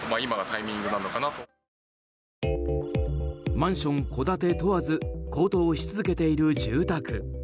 マンション、戸建て問わず高騰し続けている住宅。